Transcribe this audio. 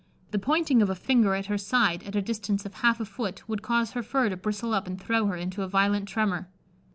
The pointing of a finger at her side, at a distance of half a foot, would cause her fur to bristle up and throw her into a violent tremour.